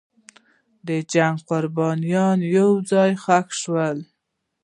د جنګ قربانیان یو ځای ښخ شول.